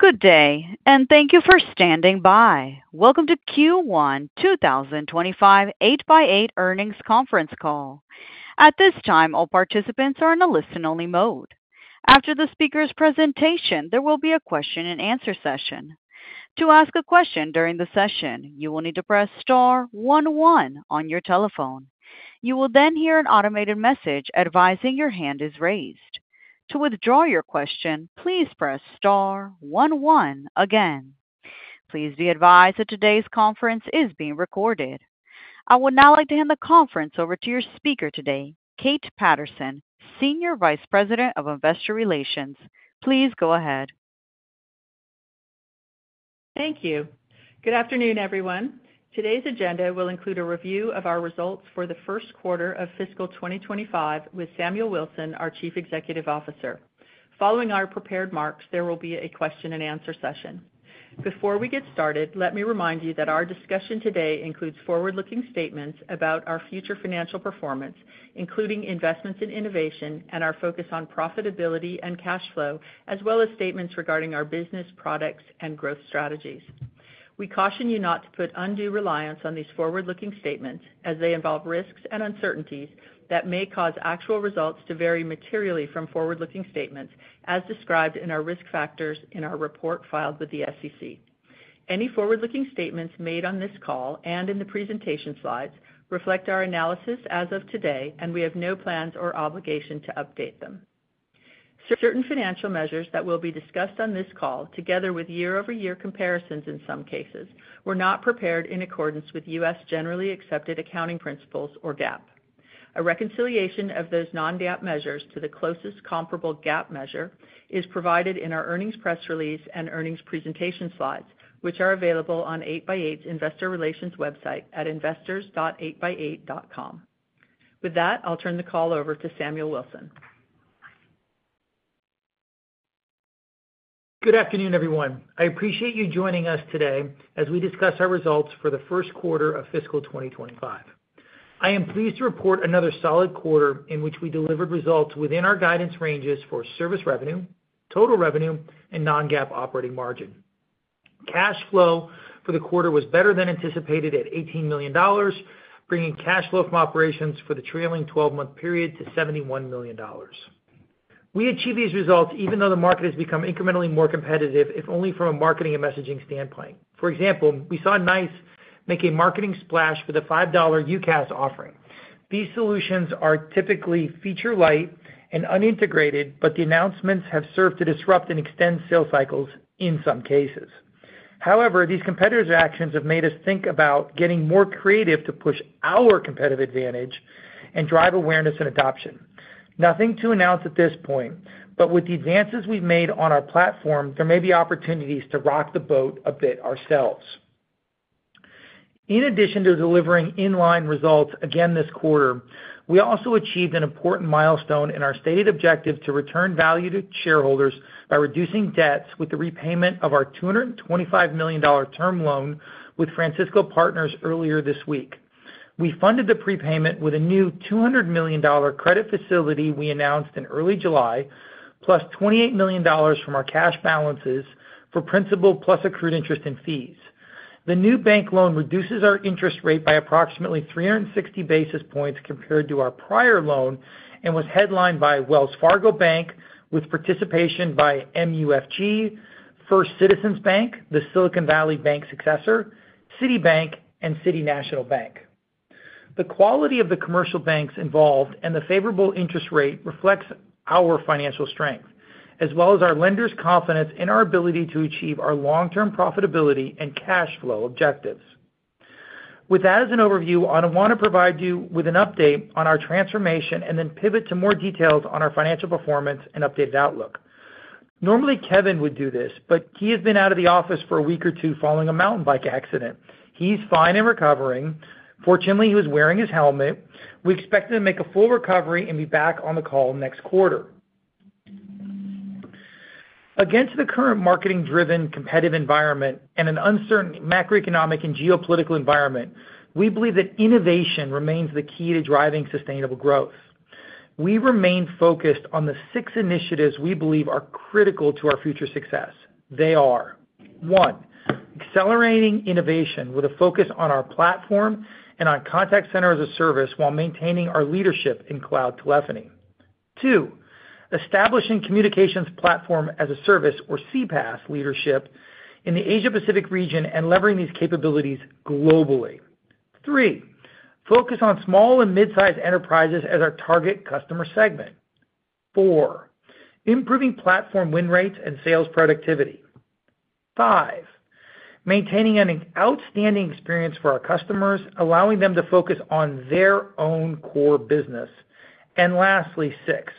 Good day, and thank you for standing by. Welcome to Q1 2025 8x8 Earnings Conference Call. At this time, all participants are in a listen-only mode. After the speaker's presentation, there will be a question-and-answer session. To ask a question during the session, you will need to press star one one on your telephone. You will then hear an automated message advising your hand is raised. To withdraw your question, please press star one one again. Please be advised that today's conference is being recorded. I would now like to hand the conference over to your speaker today, Kate Patterson, Senior Vice President of Investor Relations. Please go ahead. Thank you. Good afternoon, everyone. Today's agenda will include a review of our results for the first quarter of fiscal 2025 with Samuel Wilson, our Chief Executive Officer. Following our prepared remarks, there will be a question-and-answer session. Before we get started, let me remind you that our discussion today includes forward-looking statements about our future financial performance, including investments in innovation and our focus on profitability and cash flow, as well as statements regarding our business, products, and growth strategies. We caution you not to put undue reliance on these forward-looking statements as they involve risks and uncertainties that may cause actual results to vary materially from forward-looking statements as described in our risk factors in our report filed with the SEC. Any forward-looking statements made on this call and in the presentation slides reflect our analysis as of today, and we have no plans or obligation to update them. Certain financial measures that will be discussed on this call, together with year-over-year comparisons in some cases, were not prepared in accordance with U.S. generally accepted accounting principles, or GAAP. A reconciliation of those non-GAAP measures to the closest comparable GAAP measure is provided in our earnings press release and earnings presentation slides, which are available on 8x8's Investor Relations website at investors.8x8.com. With that, I'll turn the call over to Samuel Wilson. Good afternoon, everyone. I appreciate you joining us today as we discuss our results for the first quarter of fiscal 2025. I am pleased to report another solid quarter in which we delivered results within our guidance ranges for service revenue, total revenue, and non-GAAP operating margin. Cash flow for the quarter was better than anticipated at $18 million, bringing cash flow from operations for the trailing twelve-month period to $71 million. We achieved these results even though the market has become incrementally more competitive, if only from a marketing and messaging standpoint. For example, we saw NICE make a marketing splash for the $5 UCaaS offering. These solutions are typically feature-light and unintegrated, but the announcements have served to disrupt and extend sales cycles in some cases. However, these competitors' actions have made us think about getting more creative to push our competitive advantage and drive awareness and adoption. Nothing to announce at this point, but with the advances we've made on our platform, there may be opportunities to rock the boat a bit ourselves. In addition to delivering in-line results again this quarter, we also achieved an important milestone in our stated objective to return value to shareholders by reducing debts with the repayment of our $225 million term loan with Francisco Partners earlier this week. We funded the prepayment with a new $200 million credit facility we announced in early July, plus $28 million from our cash balances for principal plus accrued interest and fees. The new bank loan reduces our interest rate by approximately 360 basis points compared to our prior loan and was headlined by Wells Fargo Bank, with participation by MUFG, First Citizens Bank, the Silicon Valley Bank successor, Citibank, and City National Bank. The quality of the commercial banks involved and the favorable interest rate reflects our financial strength, as well as our lenders' confidence in our ability to achieve our long-term profitability and cash flow objectives. With that as an overview, I want to provide you with an update on our transformation and then pivot to more details on our financial performance and updated outlook. Normally, Kevin would do this, but he has been out of the office for a week or two following a mountain bike accident. He's fine and recovering. Fortunately, he was wearing his helmet. We expect him to make a full recovery and be back on the call next quarter. Against the current marketing-driven, competitive environment and an uncertain macroeconomic and geopolitical environment, we believe that innovation remains the key to driving sustainable growth. We remain focused on the 6 initiatives we believe are critical to our future success. They are, one, accelerating innovation with a focus on our platform and on contact center as a service while maintaining our leadership in cloud telephony. Two, establishing communications platform as a service, or CPaaS, leadership in the Asia Pacific region and leveraging these capabilities globally. Three, focus on small and mid-sized enterprises as our target customer segment. Four, improving platform win rates and sales productivity. Five, maintaining an outstanding experience for our customers, allowing them to focus on their own core business. Lastly, six,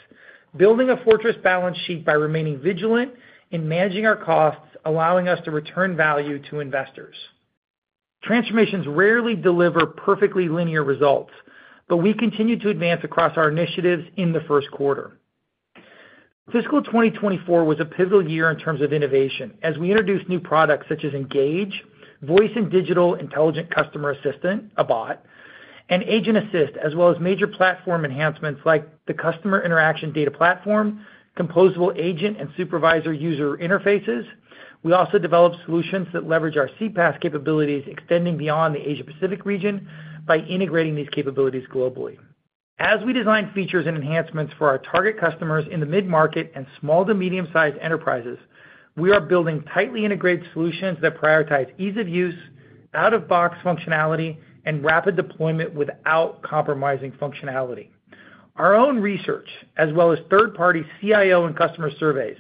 building a fortress balance sheet by remaining vigilant in managing our costs, allowing us to return value to investors. Transformations rarely deliver perfectly linear results, but we continue to advance across our initiatives in the first quarter. Fiscal 2024 was a pivotal year in terms of innovation as we introduced new products such as Engage, voice and digital Intelligent Customer Assistant, a bot, and Agent Assist, as well as major platform enhancements like the Customer Interaction Data Platform, Composable Agent, and supervisor user interfaces. We also developed solutions that leverage our CPaaS capabilities, extending beyond the Asia Pacific region by integrating these capabilities globally. As we design features and enhancements for our target customers in the mid-market and small to medium-sized enterprises, we are building tightly integrated solutions that prioritize ease of use, out-of-box functionality, and rapid deployment without compromising functionality. Our own research, as well as third-party CIO and customer surveys,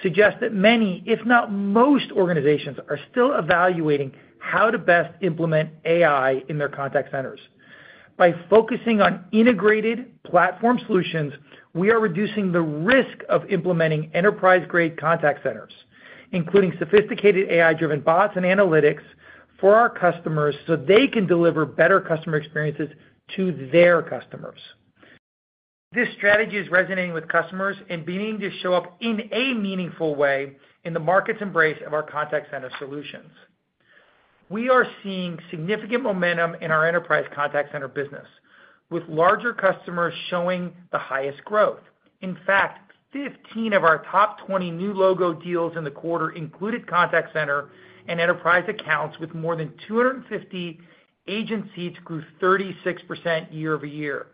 suggest that many, if not most, organizations are still evaluating how to best implement AI in their contact centers. By focusing on integrated platform solutions, we are reducing the risk of implementing enterprise-grade contact centers, including sophisticated AI-driven bots and analytics for our customers so they can deliver better customer experiences to their customers. This strategy is resonating with customers and beginning to show up in a meaningful way in the market's embrace of our contact center solutions. We are seeing significant momentum in our enterprise contact center business, with larger customers showing the highest growth. In fact, 15 of our top 20 new logo deals in the quarter included contact center and enterprise accounts with more than 250 agent seats grew 36% year-over-year.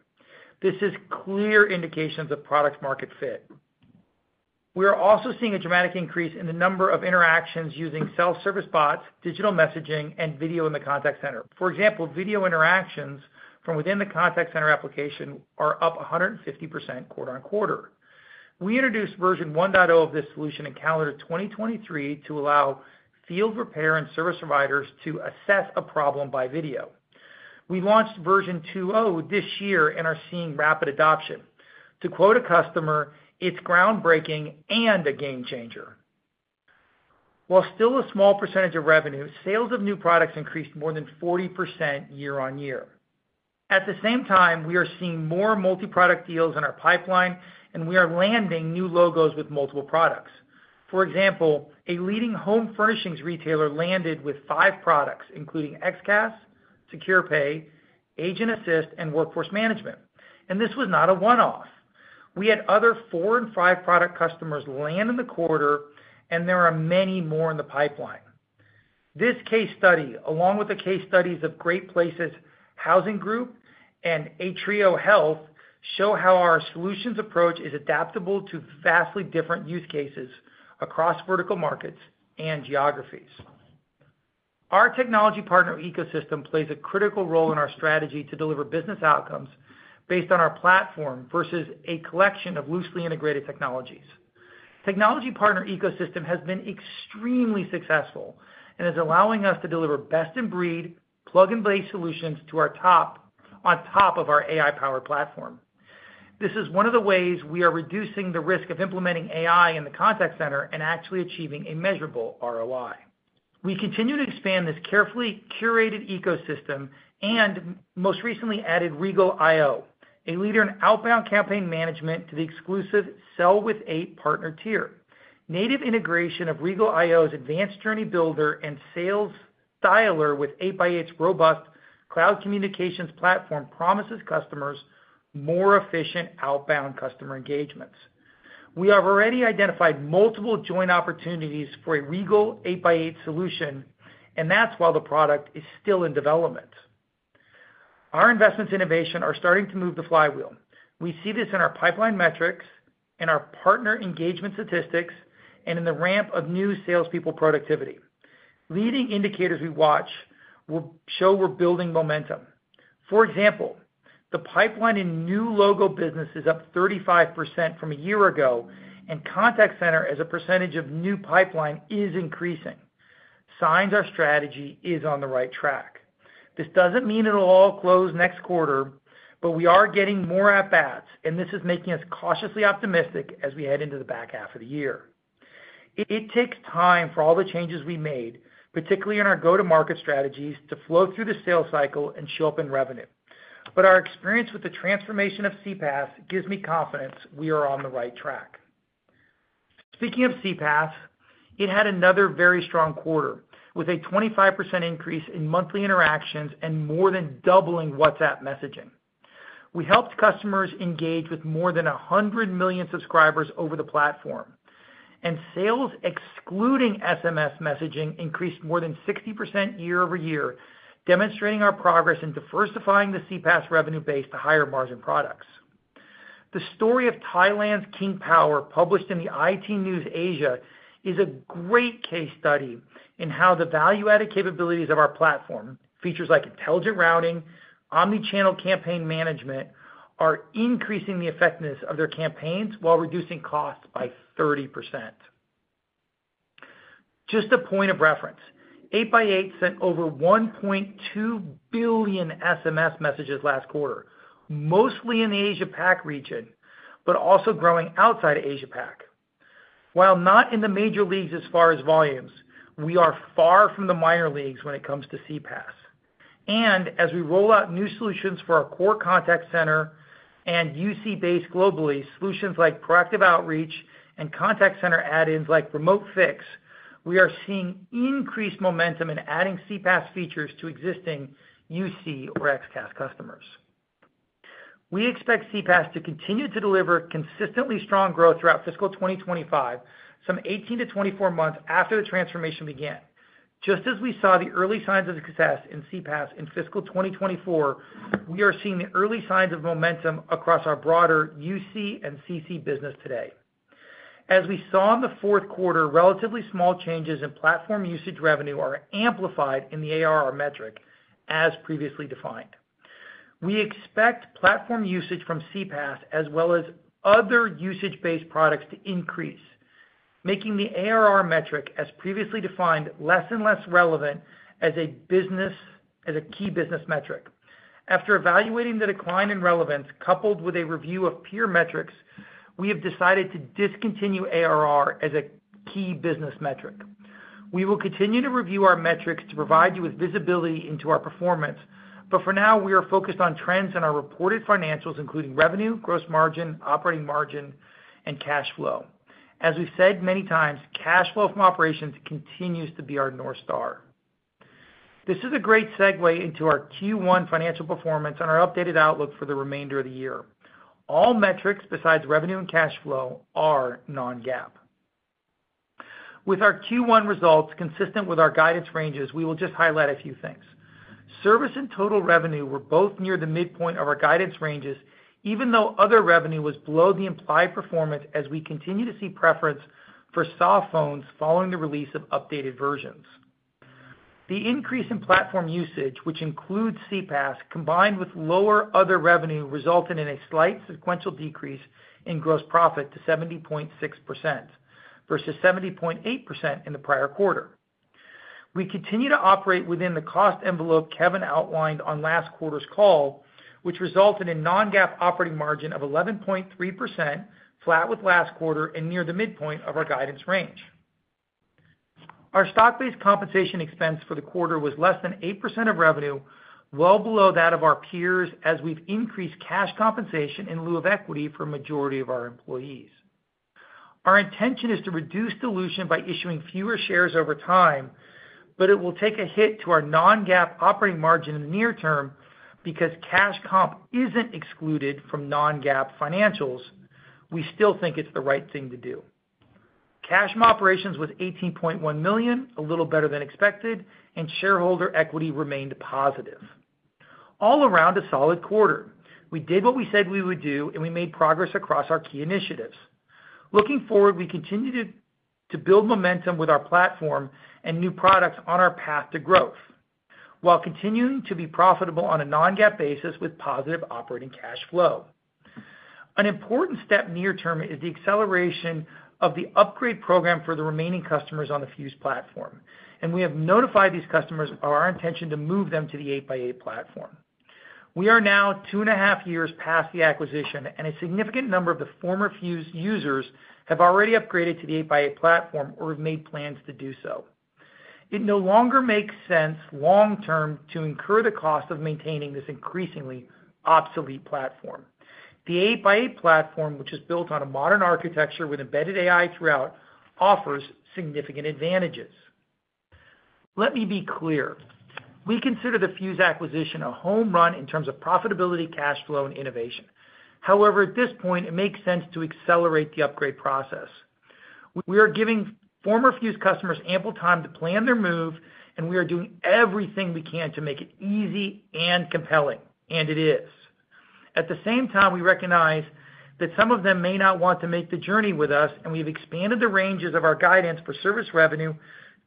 This is clear indications of product market fit. We are also seeing a dramatic increase in the number of interactions using self-service bots, digital messaging, and video in the contact center. For example, video interactions from within the contact center application are up 150% quarter-over-quarter. We introduced version 1.0 of this solution in calendar 2023 to allow field repair and service providers to assess a problem by video. We launched version 2.0 this year and are seeing rapid adoption. To quote a customer, "It's groundbreaking and a game changer." While still a small percentage of revenue, sales of new products increased more than 40% year-on-year. At the same time, we are seeing more multi-product deals in our pipeline, and we are landing new logos with multiple products. For example, a leading home furnishings retailer landed with five products, including XCaaS, Secure Pay, Agent Assist, and Workforce Management. This was not a one-off. We had other four and five-product customers land in the quarter, and there are many more in the pipeline. This case study, along with the case studies of Great Places Housing Group and Atrio Health, show how our solutions approach is adaptable to vastly different use cases across vertical markets and geographies. Our technology partner ecosystem plays a critical role in our strategy to deliver business outcomes based on our platform versus a collection of loosely integrated technologies. Technology partner ecosystem has been extremely successful and is allowing us to deliver best-in-breed, plug-and-play solutions on top of our AI-powered platform. This is one of the ways we are reducing the risk of implementing AI in the contact center and actually achieving a measurable ROI. We continue to expand this carefully curated ecosystem and most recently added Regal.io, a leader in outbound campaign management, to the exclusive Sell-With 8x8 partner tier. Native integration of Regal.io's advanced journey builder and sales dialer with 8x8's robust cloud communications platform promises customers more efficient outbound customer engagements. We have already identified multiple joint opportunities for a Regal.io 8x8 solution, and that's while the product is still in development. Our investments in innovation are starting to move the flywheel. We see this in our pipeline metrics, in our partner engagement statistics, and in the ramp of new salespeople productivity. Leading indicators we watch will show we're building momentum. For example, the pipeline in new logo business is up 35% from a year ago, and contact center, as a percentage of new pipeline, is increasing. Signs our strategy is on the right track. This doesn't mean it'll all close next quarter, but we are getting more at bats, and this is making us cautiously optimistic as we head into the back half of the year. It takes time for all the changes we made, particularly in our go-to-market strategies, to flow through the sales cycle and show up in revenue. But our experience with the transformation of CPaaS gives me confidence we are on the right track. Speaking of CPaaS, it had another very strong quarter, with a 25% increase in monthly interactions and more than doubling WhatsApp messaging. We helped customers engage with more than 100 million subscribers over the platform, and sales, excluding SMS messaging, increased more than 60% year-over-year, demonstrating our progress in diversifying the CPaaS revenue base to higher-margin products. The story of Thailand's King Power, published in the IT News Asia, is a great case study in how the value-added capabilities of our platform, features like intelligent routing, omni-channel campaign management, are increasing the effectiveness of their campaigns while reducing costs by 30%. Just a point of reference, 8x8 sent over 1.2 billion SMS messages last quarter, mostly in the Asia Pac region, but also growing outside of Asia Pac. While not in the major leagues as far as volumes, we are far from the minor leagues when it comes to CPaaS. As we roll out new solutions for our core contact center and UC base globally, solutions like proactive outreach and contact center add-ins like Remote Fix. We are seeing increased momentum in adding CPaaS features to existing UC or XCaaS customers. We expect CPaaS to continue to deliver consistently strong growth throughout fiscal 2025, some 18-24 months after the transformation began. Just as we saw the early signs of success in CPaaS in fiscal 2024, we are seeing the early signs of momentum across our broader UC and CC business today. As we saw in the fourth quarter, relatively small changes in platform usage revenue are amplified in the ARR metric, as previously defined. We expect platform usage from CPaaS, as well as other usage-based products to increase, making the ARR metric, as previously defined, less and less relevant as a key business metric. After evaluating the decline in relevance, coupled with a review of peer metrics, we have decided to discontinue ARR as a key business metric. We will continue to review our metrics to provide you with visibility into our performance, but for now, we are focused on trends in our reported financials, including revenue, gross margin, operating margin, and cash flow. As we've said many times, cash flow from operations continues to be our North Star. This is a great segue into our Q1 financial performance and our updated outlook for the remainder of the year. All metrics besides revenue and cash flow are non-GAAP. With our Q1 results consistent with our guidance ranges, we will just highlight a few things. Service and total revenue were both near the midpoint of our guidance ranges, even though other revenue was below the implied performance as we continue to see preference for soft phones following the release of updated versions. The increase in platform usage, which includes CPaaS, combined with lower other revenue, resulted in a slight sequential decrease in gross profit to 70.6%, versus 70.8% in the prior quarter. We continue to operate within the cost envelope Kevin outlined on last quarter's call, which resulted in non-GAAP operating margin of 11.3%, flat with last quarter and near the midpoint of our guidance range. Our stock-based compensation expense for the quarter was less than 8% of revenue, well below that of our peers, as we've increased cash compensation in lieu of equity for a majority of our employees. Our intention is to reduce dilution by issuing fewer shares over time, but it will take a hit to our non-GAAP operating margin in the near term because cash comp isn't excluded from non-GAAP financials. We still think it's the right thing to do. Cash from operations was $18.1 million, a little better than expected, and shareholder equity remained positive. All around, a solid quarter. We did what we said we would do, and we made progress across our key initiatives. Looking forward, we continue to build momentum with our platform and new products on our path to growth, while continuing to be profitable on a non-GAAP basis with positive operating cash flow. An important step near term is the acceleration of the upgrade program for the remaining customers on the Fuze platform, and we have notified these customers of our intention to move them to the 8x8 platform. We are now 2.5 years past the acquisition, and a significant number of the former Fuze users have already upgraded to the 8x8 platform or have made plans to do so. It no longer makes sense long-term to incur the cost of maintaining this increasingly obsolete platform. The 8x8 platform, which is built on a modern architecture with embedded AI throughout, offers significant advantages. Let me be clear: We consider the Fuze acquisition a home run in terms of profitability, cash flow, and innovation. However, at this point, it makes sense to accelerate the upgrade process. We are giving former Fuze customers ample time to plan their move, and we are doing everything we can to make it easy and compelling, and it is. At the same time, we recognize that some of them may not want to make the journey with us, and we've expanded the ranges of our guidance for service revenue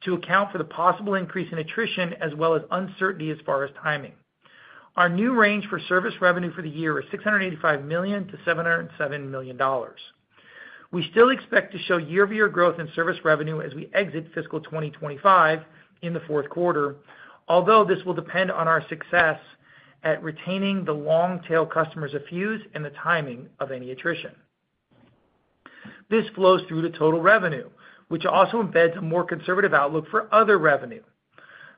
to account for the possible increase in attrition, as well as uncertainty as far as timing. Our new range for service revenue for the year is $685 million-$707 million. We still expect to show year-over-year growth in service revenue as we exit fiscal 2025 in the fourth quarter, although this will depend on our success at retaining the long-tail customers of Fuze and the timing of any attrition. This flows through to total revenue, which also embeds a more conservative outlook for other revenue.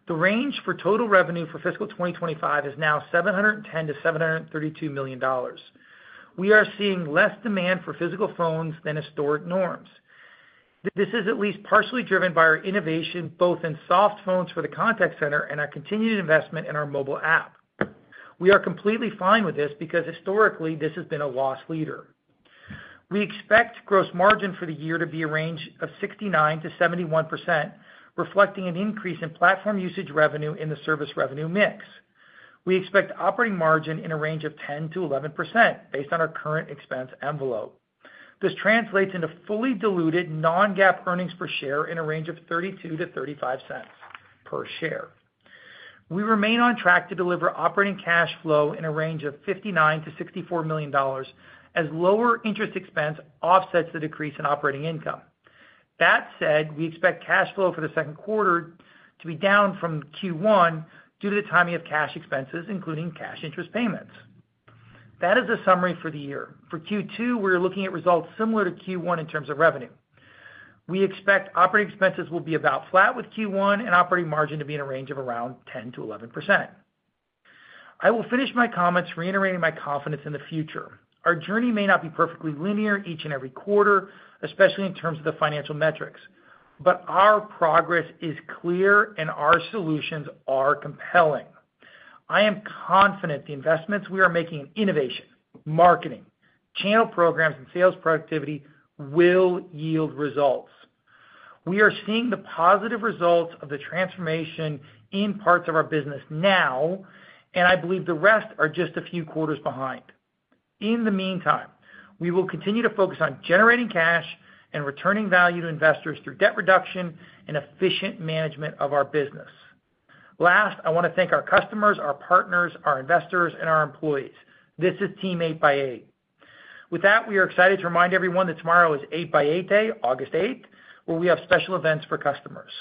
The range for total revenue for fiscal 2025 is now $710 million-$732 million. We are seeing less demand for physical phones than historic norms. This is at least partially driven by our innovation, both in soft phones for the contact center and our continued investment in our mobile app. We are completely fine with this because historically, this has been a loss leader. We expect gross margin for the year to be a range of 69%-71%, reflecting an increase in platform usage revenue in the service revenue mix. We expect operating margin in a range of 10%-11%, based on our current expense envelope. This translates into fully diluted non-GAAP earnings per share in a range of $0.32-$0.35 per share. We remain on track to deliver operating cash flow in a range of $59 million-$64 million, as lower interest expense offsets the decrease in operating income. That said, we expect cash flow for the second quarter to be down from Q1 due to the timing of cash expenses, including cash interest payments. That is a summary for the year. For Q2, we're looking at results similar to Q1 in terms of revenue. We expect operating expenses will be about flat with Q1 and operating margin to be in a range of around 10%-11%. I will finish my comments reiterating my confidence in the future. Our journey may not be perfectly linear each and every quarter, especially in terms of the financial metrics, but our progress is clear and our solutions are compelling. I am confident the investments we are making in innovation, marketing, channel programs, and sales productivity will yield results. We are seeing the positive results of the transformation in parts of our business now, and I believe the rest are just a few quarters behind. In the meantime, we will continue to focus on generating cash and returning value to investors through debt reduction and efficient management of our business. Last, I wanna thank our customers, our partners, our investors, and our employees. This is Team 8x8. With that, we are excited to remind everyone that tomorrow is 8x8 Day, August eighth, where we have special events for customers.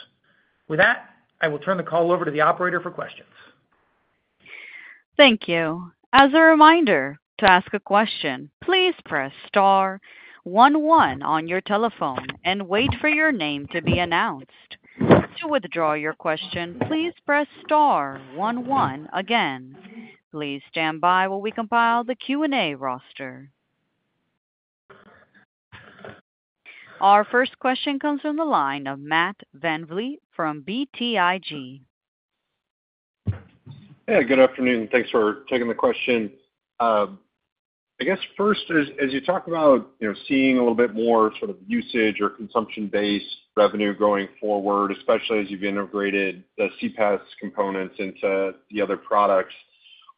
With that, I will turn the call over to the operator for questions. Thank you. As a reminder, to ask a question, please press star one one on your telephone and wait for your name to be announced. To withdraw your question, please press star one one again. Please stand by while we compile the Q&A roster. Our first question comes from the line of Matt VanVliet from BTIG. Hey, good afternoon, and thanks for taking the question. I guess first, as you talk about, you know, seeing a little bit more sort of usage or consumption-based revenue going forward, especially as you've integrated the CPaaS components into the other products,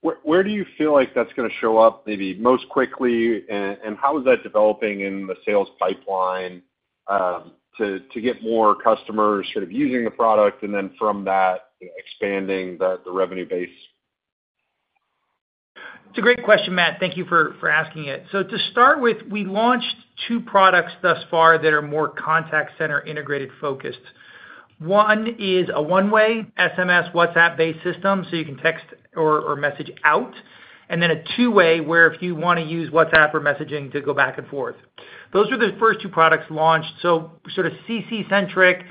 where do you feel like that's gonna show up maybe most quickly, and how is that developing in the sales pipeline, to get more customers sort of using the product, and then from that, expanding the revenue base? It's a great question, Matt. Thank you for asking it. So to start with, we launched two products thus far that are more contact center integrated focused. One is a one-way SMS, WhatsApp-based system, so you can text or message out, and then a two-way, where if you wanna use WhatsApp or messaging to go back and forth. Those are the first two products launched, so sort of CC-centric,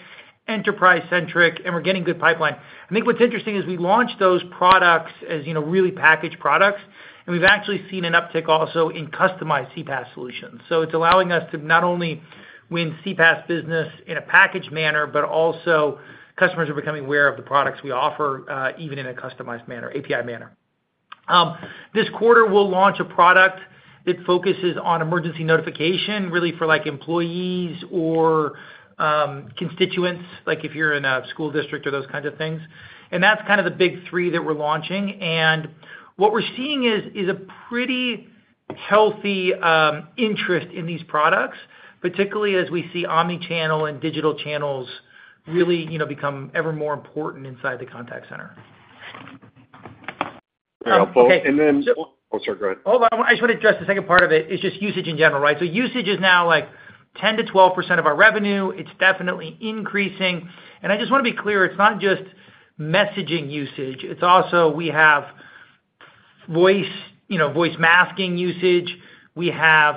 enterprise-centric, and we're getting good pipeline. I think what's interesting is we launched those products, as you know, really packaged products, and we've actually seen an uptick also in customized CPaaS solutions. So it's allowing us to not only win CPaaS business in a packaged manner, but also customers are becoming aware of the products we offer, even in a customized manner, API manner. This quarter, we'll launch a product that focuses on emergency notification, really for, like, employees or, constituents, like if you're in a school district or those kinds of things. That's kind of the big three that we're launching. What we're seeing is a pretty healthy interest in these products, particularly as we see omni-channel and digital channels really, you know, become ever more important inside the contact center. And then- So- Oh, sorry, go ahead. Hold on. I just wanna address the second part of it, is just usage in general, right? So usage is now, like, 10%-12% of our revenue. It's definitely increasing. And I just wanna be clear, it's not just messaging usage, it's also, we have voice, you know, voice masking usage. We have,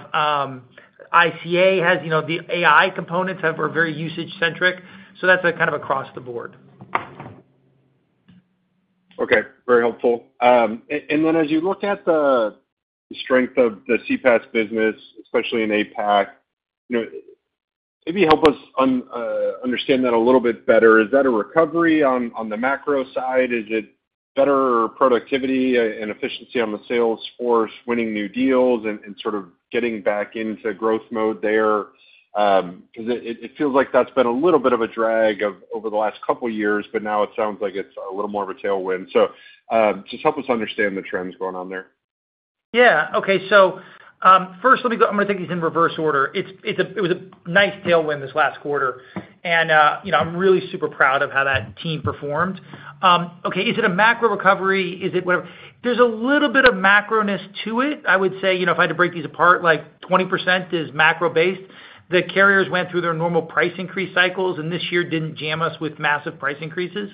ICA has, you know, the AI components are very usage centric, so that's, like, kind of across the board. Okay, very helpful. And then as you look at the strength of the CPaaS business, especially in APAC, you know, maybe help us understand that a little bit better. Is that a recovery on the macro side? Is it better productivity and efficiency on the sales force, winning new deals and sort of getting back into growth mode there? 'Cause it feels like that's been a little bit of a drag on over the last couple of years, but now it sounds like it's a little more of a tailwind. So, just help us understand the trends going on there. Yeah. Okay. So, first, let me go... I'm gonna take these in reverse order. It was a NICE tailwind this last quarter, and, you know, I'm really super proud of how that team performed. Okay, is it a macro recovery? Is it whatever? There's a little bit of macroness to it. I would say, you know, if I had to break these apart, like 20% is macro-based. The carriers went through their normal price increase cycles, and this year didn't jam us with massive price increases,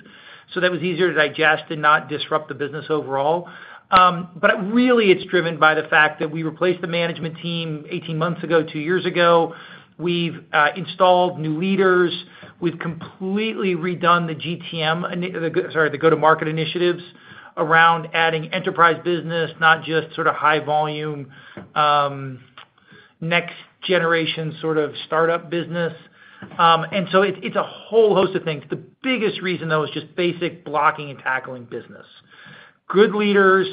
so that was easier to digest and not disrupt the business overall. But really, it's driven by the fact that we replaced the management team 18 months ago, 2 years ago. We've installed new leaders. We've completely redone the go-to-market initiatives around adding enterprise business, not just sort of high volume, next generation, sort of startup business. And so it's, it's a whole host of things. The biggest reason, though, is just basic blocking and tackling business. Good leaders,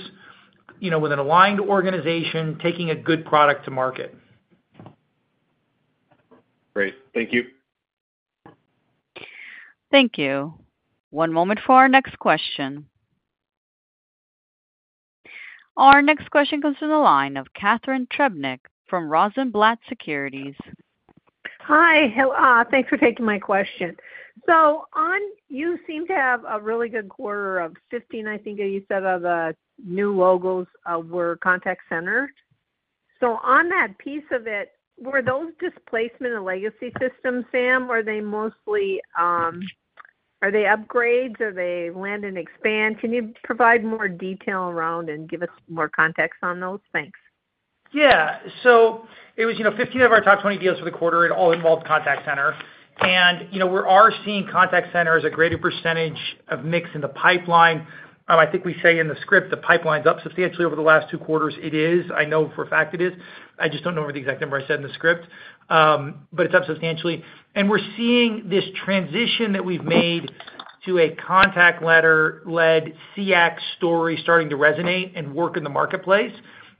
you know, with an aligned organization, taking a good product to market. Great. Thank you. Thank you. One moment for our next question. Our next question comes from the line of Catharine Trebnick from Rosenblatt Securities. Hi, hello, thanks for taking my question. So on, you seem to have a really good quarter of 15, I think, you said, of new logos were contact center. So on that piece of it, were those displacement of legacy systems, Sam, or were they mostly are they upgrades? Are they land and expand? Can you provide more detail around and give us more context on those? Thanks. Yeah, so it was, you know, 15 of our top 20 deals for the quarter, it all involved contact center. And, you know, we are seeing contact center as a greater percentage of mix in the pipeline. I think we say in the script, the pipeline's up substantially over the last 2 quarters. It is. I know for a fact it is. I just don't know what the exact number I said in the script, but it's up substantially. And we're seeing this transition that we've made to a contact center-led CX story starting to resonate and work in the marketplace.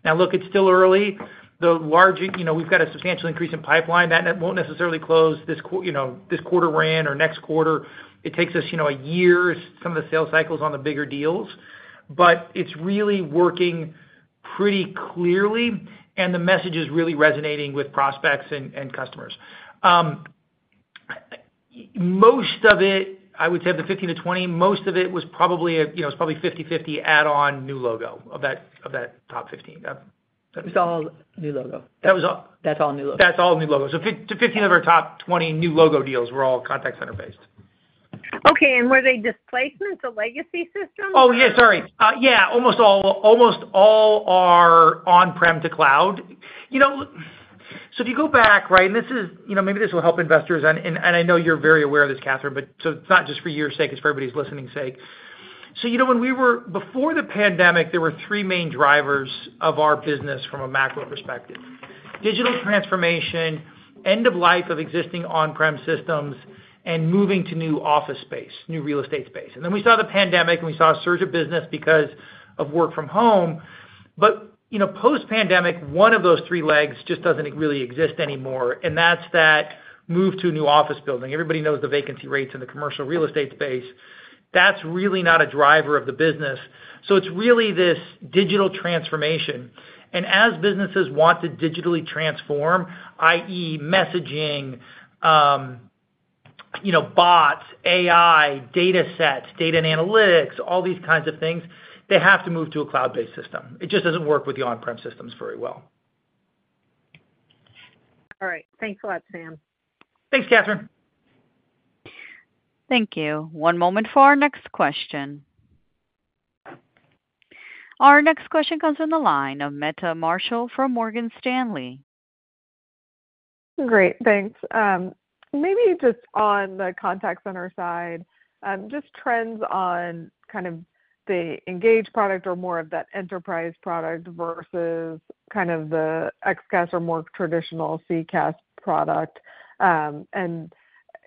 Now, look, it's still early. The large, you know, we've got a substantial increase in pipeline. That won't necessarily close this quarter or next quarter. It takes us, you know, a year, some of the sales cycles on the bigger deals, but it's really working pretty clearly, and the message is really resonating with prospects and customers. Most of it, I would say, of the 15 to 20, most of it was probably, you know, it's probably 50/50 add-on new logo of that top 15. It's all new logo. That was all- That's all new logo. That's all new logos. So 15 of our top 20 new logo deals were all contact center-based. Okay, and were they displacements of legacy systems? Oh, yeah, sorry. Yeah, almost all, almost all are on-prem to cloud. You know, so if you go back, right, and this is, you know, maybe this will help investors, and, and I know you're very aware of this, Catherine, but so it's not just for your sake, it's for everybody's listening sake. So, you know, when we were, before the pandemic, there were three main drivers of our business from a macro perspective: digital transformation, end of life of existing on-prem systems, and moving to new office space, new real estate space. And then we saw the pandemic, and we saw a surge of business because of work from home. But, you know, post-pandemic, one of those three legs just doesn't really exist anymore, and that's that move to a new office building. Everybody knows the vacancy rates in the commercial real estate space. That's really not a driver of the business. So it's really this digital transformation. And as businesses want to digitally transform, i.e., messaging, you know, bots, AI, data sets, data and analytics, all these kinds of things, they have to move to a cloud-based system. It just doesn't work with the on-prem systems very well. All right. Thanks a lot, Sam. Thanks, Catherine. Thank you. One moment for our next question. Our next question comes from the line of Meta Marshall from Morgan Stanley. Great, thanks. Maybe just on the contact center side, just trends on kind of the Engage product or more of that enterprise product versus kind of the XCaaS or more traditional CCaaS product. And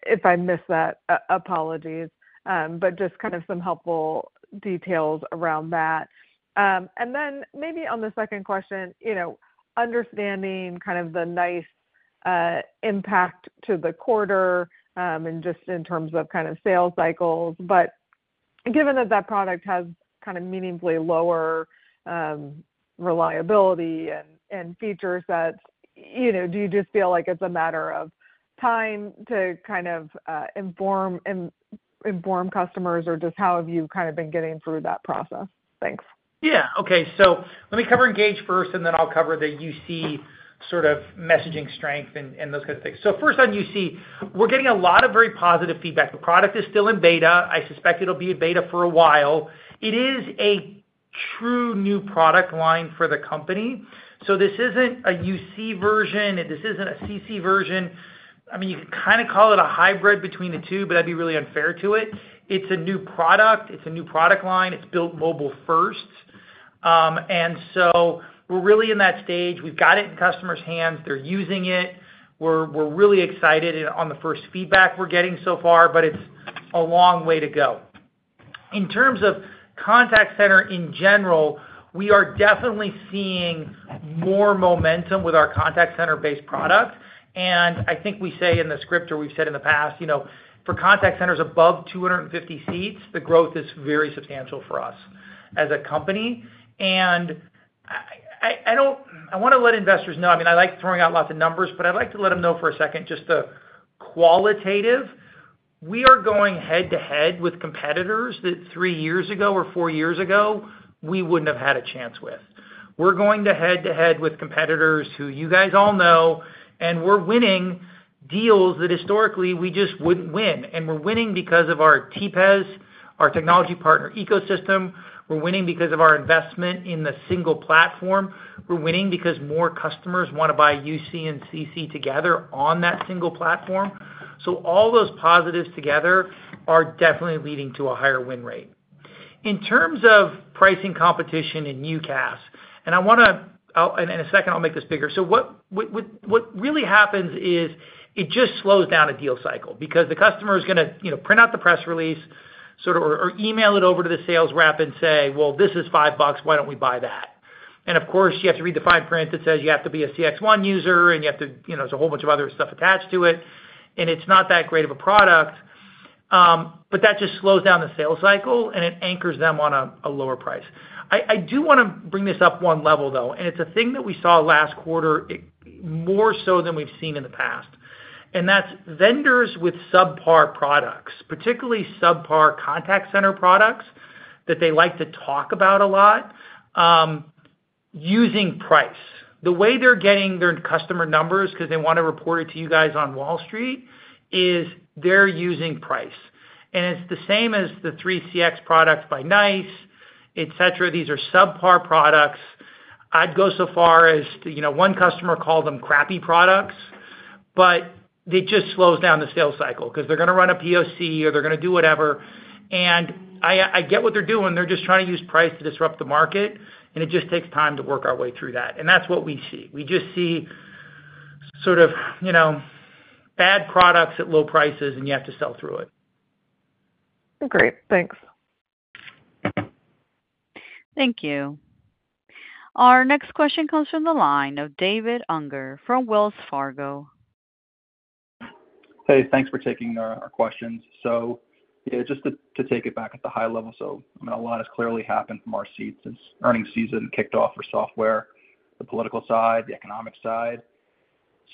if I missed that, apologies, but just kind of some helpful details around that. And then maybe on the second question, you know, understanding kind of the NICE impact to the quarter, and just in terms of kind of sales cycles, but given that that product has kind of meaningfully lower reliability and features that, you know, do you just feel like it's a matter of time to kind of inform customers, or just how have you kind of been getting through that process? Thanks. Yeah. Okay, so let me cover Engage first, and then I'll cover the UC sort of messaging strength and those kind of things. So first on UC, we're getting a lot of very positive feedback. The product is still in beta. I suspect it'll be in beta for a while. It is a true new product line for the company, so this isn't a UC version, this isn't a CC version. I mean, you could kinda call it a hybrid between the two, but that'd be really unfair to it. It's a new product. It's a new product line. It's built mobile first. And so we're really in that stage. We've got it in customers' hands. They're using it. We're really excited on the first feedback we're getting so far, but it's a long way to go. In terms of contact center in general, we are definitely seeing more momentum with our contact center-based product. And I think we say in the script, or we've said in the past, you know, for contact centers above 250 seats, the growth is very substantial for us as a company. And I don't—I wanna let investors know, I mean, I like throwing out lots of numbers, but I'd like to let them know for a second just the qualitative. We are going head-to-head with competitors that three years ago or four years ago, we wouldn't have had a chance with. We're going head-to-head with competitors who you guys all know, and we're winning deals that historically we just wouldn't win. And we're winning because of our TPEs, our technology partner ecosystem. We're winning because of our investment in the single platform. We're winning because more customers wanna buy UC and CC together on that single platform. So all those positives together are definitely leading to a higher win rate. In terms of pricing competition in UCaaS, and I wanna, and in a second, I'll make this bigger. So what really happens is, it just slows down a deal cycle because the customer is gonna, you know, print out the press release, sort of, or email it over to the sales rep and say: "Well, this is $5. Why don't we buy that?" And of course, you have to read the fine print that says you have to be a CXone user, and you have to, you know, there's a whole bunch of other stuff attached to it, and it's not that great of a product. But that just slows down the sales cycle, and it anchors them on a lower price. I do wanna bring this up one level, though, and it's a thing that we saw last quarter, more so than we've seen in the past. And that's vendors with subpar products, particularly subpar contact center products, that they like to talk about a lot, using price. The way they're getting their customer numbers, 'cause they wanna report it to you guys on Wall Street, is they're using price. And it's the same as the 3CX products by NICE, et cetera. These are subpar products. I'd go so far as to, you know, one customer called them crappy products, but it just slows down the sales cycle because they're gonna run a POC or they're gonna do whatever. And I get what they're doing. They're just trying to use price to disrupt the market, and it just takes time to work our way through that, and that's what we see. We just see sort of, you know, bad products at low prices, and you have to sell through it. Great. Thanks. Thank you. Our next question comes from the line of David Unger from Wells Fargo. Hey, thanks for taking our questions. So, yeah, just to take it back at the high level. So I mean, a lot has clearly happened from our seat since earnings season kicked off for software, the political side, the economic side.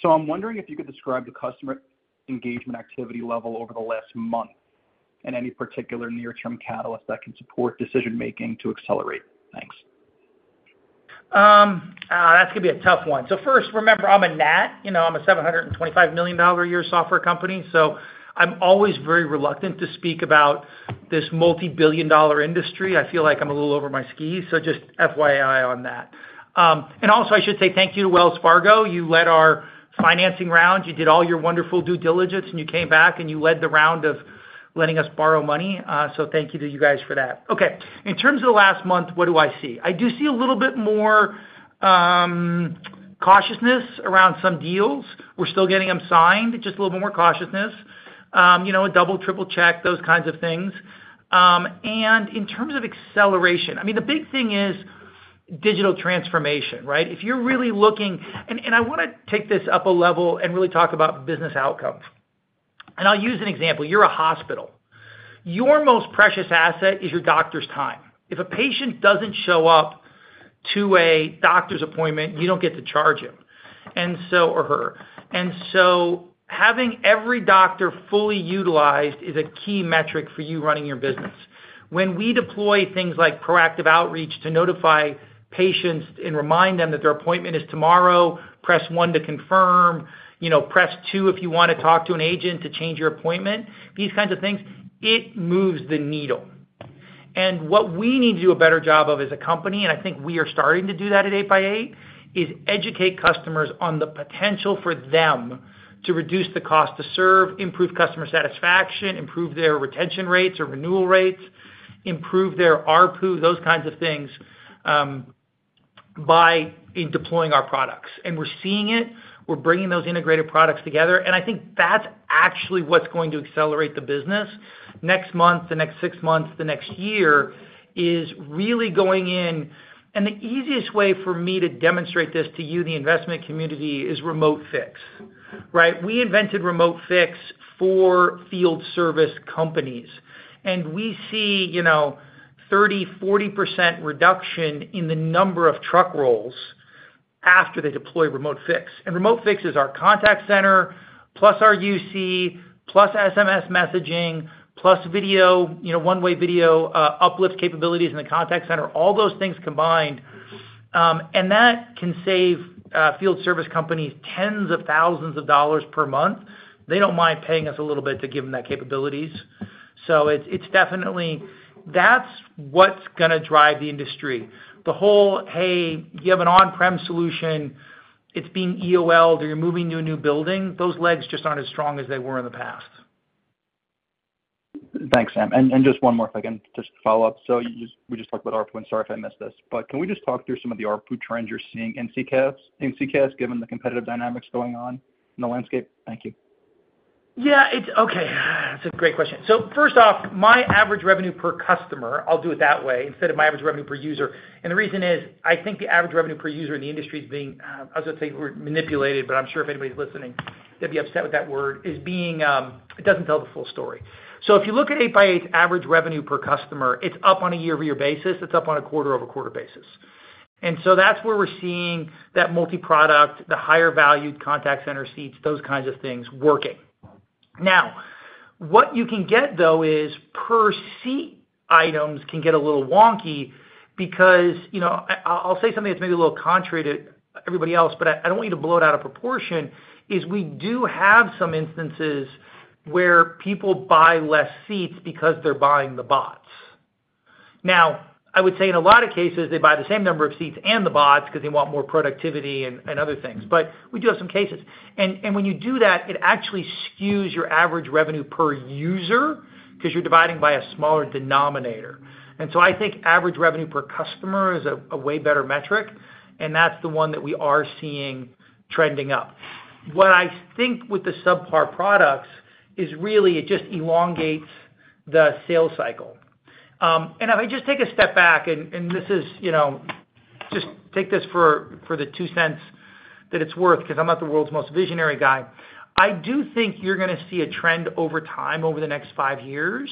So I'm wondering if you could describe the customer engagement activity level over the last month and any particular near-term catalyst that can support decision-making to accelerate. Thanks. That's gonna be a tough one. So first, remember, you know, I'm a $725 million a year software company, so I'm always very reluctant to speak about this multi-billion dollar industry. I feel like I'm a little over my skis, so just FYI on that. And also, I should say thank you to Wells Fargo. You led our financing round. You did all your wonderful due diligence, and you came back, and you led the round of letting us borrow money, so thank you to you guys for that. Okay, in terms of the last month, what do I see? I do see a little bit more cautiousness around some deals. We're still getting them signed, just a little bit more cautiousness, you know, a double, triple-check, those kinds of things. And in terms of acceleration, I mean, the big thing is digital transformation, right? If you're really looking and I wanna take this up a level and really talk about business outcomes. And I'll use an example. You're a hospital. Your most precious asset is your doctor's time. If a patient doesn't show up to a doctor's appointment, you don't get to charge him, and so, or her. And so having every doctor fully utilized is a key metric for you running your business. When we deploy things like proactive outreach to notify patients and remind them that their appointment is tomorrow, press one to confirm, you know, press two if you wanna talk to an agent to change your appointment, these kinds of things, it moves the needle. What we need to do a better job of as a company, and I think we are starting to do that at 8x8, is educate customers on the potential for them to reduce the cost to serve, improve customer satisfaction, improve their retention rates or renewal rates, improve their ARPU, those kinds of things, by deploying our products. And we're seeing it. We're bringing those integrated products together, and I think that's actually what's going to accelerate the business next month, the next six months, the next year, is really going in. And the easiest way for me to demonstrate this to you, the investment community, is Remote Fix, right? We invented Remote Fix for field service companies, and we see, you know, 30%-40% reduction in the number of truck rolls after they deploy Remote Fix. Remote Fix is our contact center, plus our UC, plus SMS messaging, plus video, you know, one-way video, uplift capabilities in the contact center, all those things combined. That can save field service companies tens of thousands of dollars per month. They don't mind paying us a little bit to give them that capabilities. So it's definitely, that's what's gonna drive the industry. The whole, "Hey, you have an on-prem solution, it's being EOL-ed, or you're moving to a new building," those legs just aren't as strong as they were in the past. Thanks, Sam. And just one more if I can, just to follow up. So we just talked about ARPU, and sorry if I missed this, but can we just talk through some of the ARPU trends you're seeing in CCaaS, in CCaaS, given the competitive dynamics going on in the landscape? Thank you. Yeah, it's, okay, that's a great question. So first off, my average revenue per customer, I'll do it that way, instead of my average revenue per user, and the reason is, I think the average revenue per user in the industry is being, I was going to say manipulated, but I'm sure if anybody's listening, they'd be upset with that word, is being... It doesn't tell the full story. So if you look at 8x8's average revenue per customer, it's up on a year-over-year basis. It's up on a quarter-over-quarter basis. And so that's where we're seeing that multi-product, the higher valued contact center seats, those kinds of things working. Now, what you can get, though, is per seat items can get a little wonky because, you know, I'll say something that's maybe a little contrary to everybody else, but I don't want you to blow it out of proportion, is we do have some instances where people buy less seats because they're buying the bots. Now, I would say in a lot of cases, they buy the same number of seats and the bots because they want more productivity and other things, but we do have some cases. And when you do that, it actually skews your average revenue per user because you're dividing by a smaller denominator. So I think average revenue per customer is a way better metric, and that's the one that we are seeing trending up. What I think with the subpar products is really it just elongates the sales cycle. And if I just take a step back, and this is, you know, just take this for the two cents that it's worth, because I'm not the world's most visionary guy. I do think you're gonna see a trend over time, over the next five years,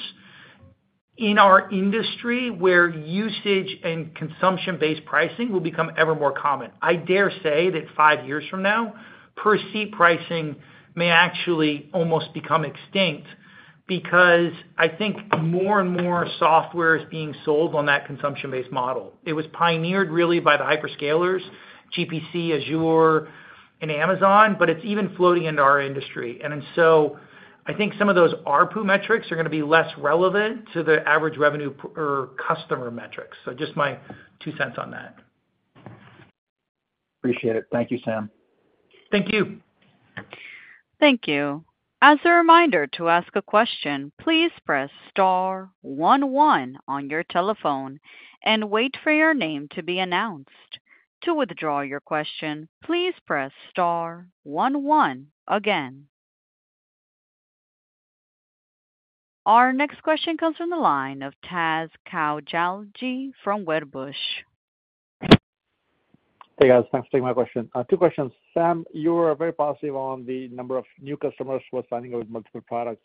in our industry, where usage and consumption-based pricing will become ever more common. I dare say that five years from now, per-seat pricing may actually almost become extinct because I think more and more software is being sold on that consumption-based model. It was pioneered really by the hyperscalers, GCP, Azure, and AWS, but it's even floating into our industry. And then so I think some of those ARPU metrics are gonna be less relevant to the average revenue per customer metrics. Just my two cents on that. Appreciate it. Thank you, Sam. Thank you. Thank you. As a reminder, to ask a question, please press star one one on your telephone and wait for your name to be announced. To withdraw your question, please press star one one again. Our next question comes from the line of Taz Koujalgi from Wedbush. Hey, guys. Thanks for taking my question. Two questions. Sam, you were very positive on the number of new customers who are signing up with multiple products.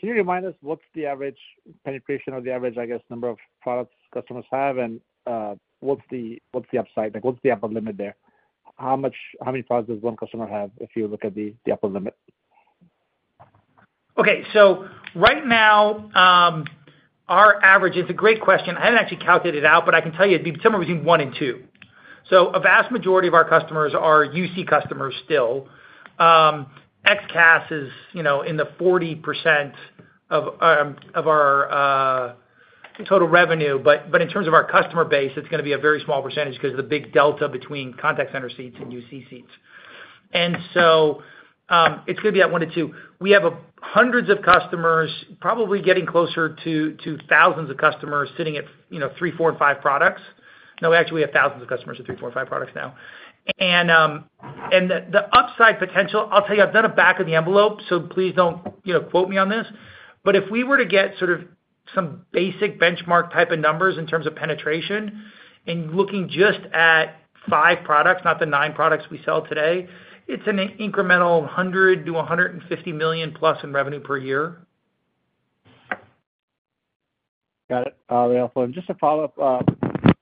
Can you remind us what's the average penetration or the average, I guess, number of products customers have, and what's the upside? Like, what's the upper limit there? How many products does one customer have if you look at the upper limit? Okay. So right now, our average. It's a great question. I haven't actually calculated it out, but I can tell you it'd be somewhere between one and two. So a vast majority of our customers are UC customers still. XCaaS is, you know, in the 40% of our total revenue, but in terms of our customer base, it's gonna be a very small percentage because of the big delta between contact center seats and UC seats. And so, it's gonna be at 1 to 2. We have hundreds of customers, probably getting closer to thousands of customers sitting at, you know, three, four, and five products. No, we actually have thousands of customers with three, four, and five products now. The upside potential, I'll tell you, I've done a back of the envelope, so please don't, you know, quote me on this. But if we were to get sort of some basic benchmark type of numbers in terms of penetration, and looking just at five products, not the nine products we sell today, it's an incremental $100 million-$150 million plus in revenue per year. Got it. Very helpful. And just a follow-up,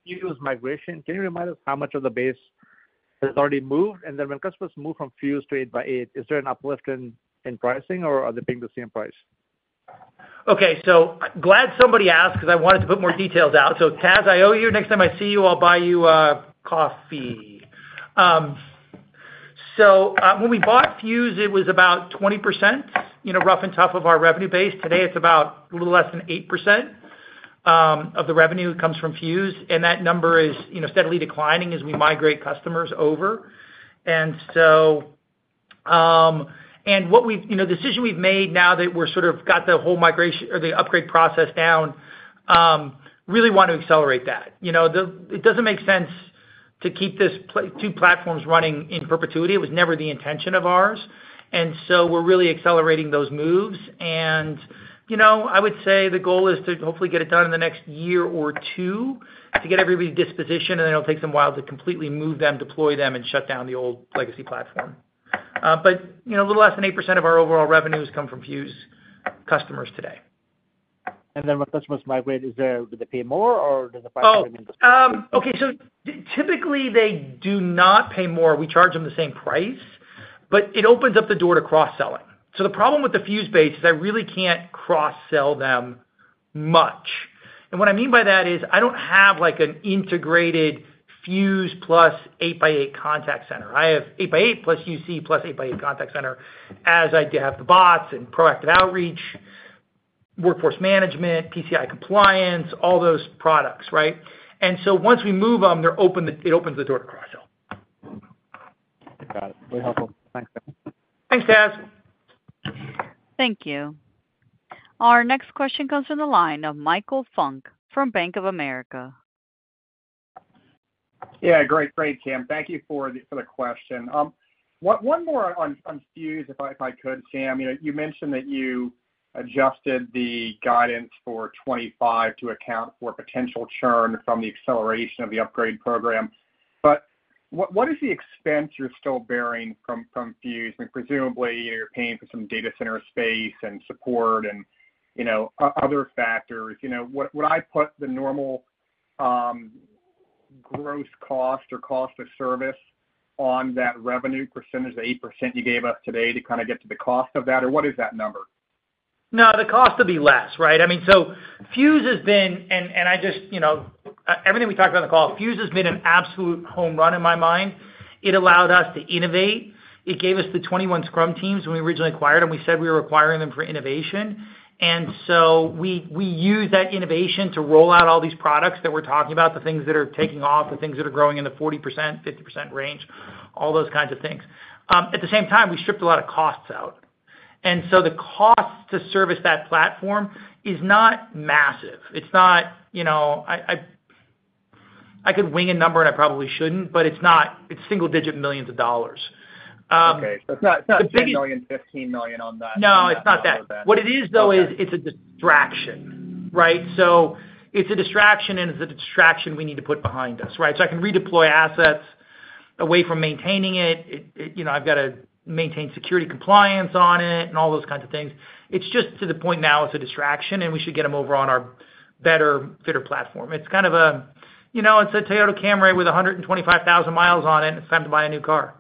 Fuze migration, can you remind us how much of the base has already moved? And then when customers move from Fuze to 8x8, is there an uplift in pricing, or are they paying the same price? Okay, so glad somebody asked, because I wanted to put more details out. So Taz, I owe you. Next time I see you, I'll buy you a coffee. When we bought Fuze, it was about 20%, you know, rough and tough of our revenue base. Today, it's about a little less than 8% of the revenue comes from Fuze, and that number is, you know, steadily declining as we migrate customers over. And so, you know, the decision we've made now that we're sort of got the whole migration or the upgrade process down, really want to accelerate that. You know, It doesn't make sense to keep two platforms running in perpetuity. It was never the intention of ours, and so we're really accelerating those moves. You know, I would say the goal is to hopefully get it done in the next year or two, to get everybody's disposition, and it'll take them a while to completely move them, deploy them, and shut down the old legacy platform. But, you know, a little less than 8% of our overall revenues come from Fuze customers today. And then when customers migrate, do they pay more, or does the price remain the same? So typically, they do not pay more. We charge them the same price, but it opens up the door to cross-selling. So the problem with the Fuze base is I really can't cross-sell them much. And what I mean by that is, I don't have, like, an integrated Fuze plus 8x8 contact center. I have 8x8, plus UC, plus 8x8 contact center, as I have the bots and proactive outreach, workforce management, PCI compliance, all those products, right? And so once we move them, it opens the door to cross-sell. Got it. Very helpful. Thanks, Sam. Thanks, Taz. Thank you. Our next question comes from the line of Michael Funk from Bank of America. Yeah, great, great, Sam. Thank you for the question. One more on Fuze, if I could, Sam. You know, you mentioned that you adjusted the guidance for 25 to account for potential churn from the acceleration of the upgrade program. But what is the expense you're still bearing from Fuze? And presumably, you're paying for some data center space and support and, you know, other factors. You know, would I put the normal gross cost or cost of service on that revenue percentage, the 8% you gave us today, to kind of get to the cost of that, or what is that number? No, the cost would be less, right? I mean, so Fuze has been. And I just, you know, everything we talked about on the call, Fuze has been an absolute home run in my mind. It allowed us to innovate. It gave us the 21 Scrum teams when we originally acquired them, we said we were acquiring them for innovation. And so we used that innovation to roll out all these products that we're talking about, the things that are taking off, the things that are growing in the 40%-50% range, all those kinds of things. At the same time, we stripped a lot of costs out. And so the cost to service that platform is not massive. It's not, you know, I could wing a number, and I probably shouldn't, but it's not, it's $ single-digit millions. Okay. So it's not- The biggest- $10 million, $15 million on that? No, it's not that. Okay. What it is, though, is it's a distraction, right? So it's a distraction, and it's a distraction we need to put behind us, right? So I can redeploy assets away from maintaining it. It, you know, I've got to maintain security compliance on it and all those kinds of things. It's just to the point now, it's a distraction, and we should get them over on our better, fitter platform. It's kind of a, you know, it's a Toyota Camry with 125,000 miles on it. It's time to buy a new car....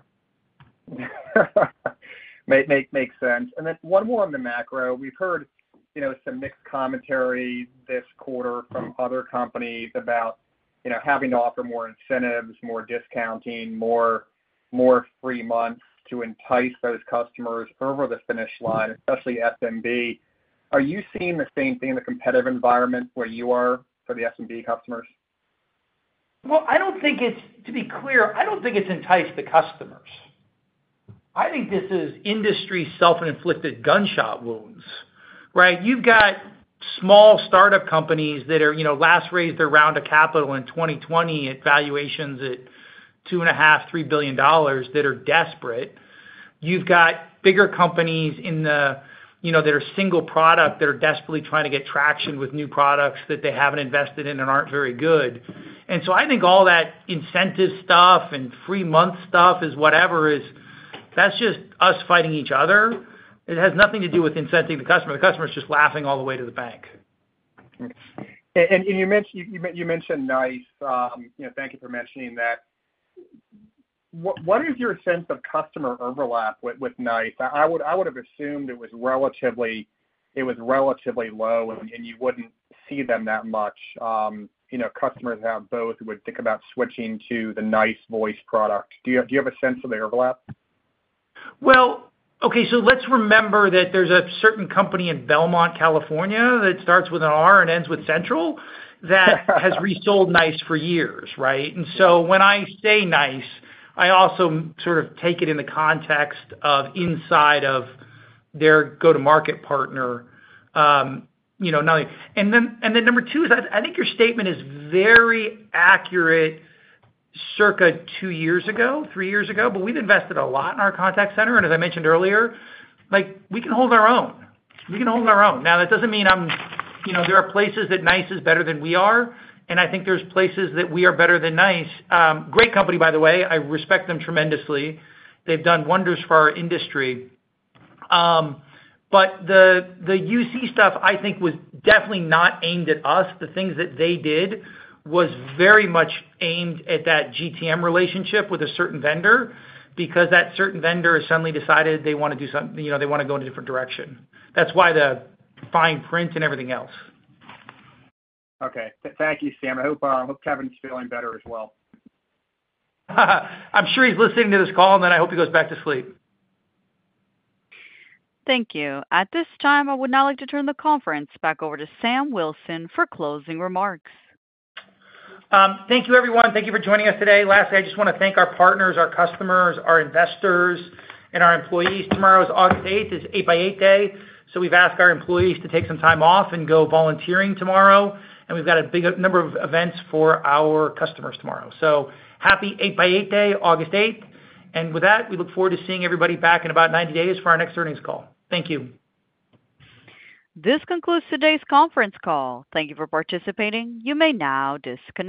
Makes sense. And then one more on the macro. We've heard, you know, some mixed commentary this quarter from other companies about, you know, having to offer more incentives, more discounting, more free months to entice those customers over the finish line, especially SMB. Are you seeing the same thing in the competitive environment where you are for the SMB customers? Well, I don't think it's—To be clear, I don't think it's to entice the customers. I think this is industry self-inflicted gunshot wounds, right? You've got small startup companies that are, you know, last raised a round of capital in 2020 at valuations at $2.5 billion-$3 billion that are desperate. You've got bigger companies in the, you know, that are single product, that are desperately trying to get traction with new products that they haven't invested in and aren't very good. And so I think all that incentive stuff and free month stuff is whatever is, that's just us fighting each other. It has nothing to do with incenting the customer. The customer is just laughing all the way to the bank. You mentioned NICE. You know, thank you for mentioning that. What is your sense of customer overlap with NICE? I would've assumed it was relatively low, and you wouldn't see them that much. You know, customers who have both would think about switching to the NICE voice product. Do you have a sense of the overlap? Well, okay, so let's remember that there's a certain company in Belmont, California, that starts with an R and ends with Central, that has resold NICE for years, right? And so when I say NICE, I also sort of take it in the context of inside of their go-to-market partner. You know, and then number two is, I think your statement is very accurate circa two years ago, three years ago, but we've invested a lot in our contact center, and as I mentioned earlier, like, we can hold our own. We can hold our own. Now, that doesn't mean I'm, you know, there are places that NICE is better than we are, and I think there's places that we are better than NICE. Great company, by the way. I respect them tremendously. They've done wonders for our industry. But the UC stuff, I think, was definitely not aimed at us. The things that they did was very much aimed at that GTM relationship with a certain vendor, because that certain vendor has suddenly decided they wanna do something, you know, they wanna go in a different direction. That's why the fine print and everything else. Okay. Thank you, Sam. I hope, I hope Kevin's feeling better as well. I'm sure he's listening to this call, and then I hope he goes back to sleep. Thank you. At this time, I would now like to turn the conference back over to Sam Wilson for closing remarks. Thank you, everyone. Thank you for joining us today. Lastly, I just wanna thank our partners, our customers, our investors, and our employees. Tomorrow is August eighth. It's 8x8 Day, so we've asked our employees to take some time off and go volunteering tomorrow, and we've got a big number of events for our customers tomorrow. So happy 8x8 Day, August eighth, and with that, we look forward to seeing everybody back in about 90 days for our next earnings call. Thank you. This concludes today's conference call. Thank you for participating. You may now disconnect.